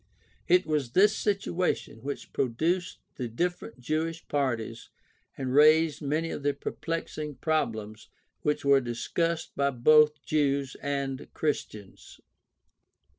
It was this situation which produced the different Jewish parties and raised many of the perplexing problems which were discussed by both Jews and Christians.